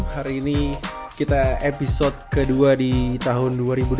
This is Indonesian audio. hari ini kita episode kedua di tahun dua ribu dua puluh